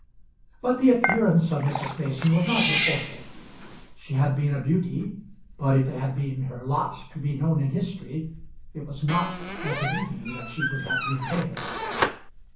But the appearance of Mrs. Mason was not her forte. She had been a beauty; but if it had been her lot to be known in history, it was not as a beauty that she would have been famous.